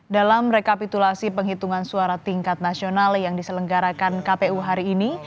dalam rekapitulasi penghitungan suara tingkat nasional yang diselenggarakan kpu hari ini